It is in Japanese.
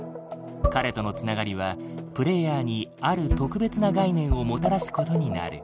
彼との繋がりはプレイヤーにある特別な概念をもたらすことになる。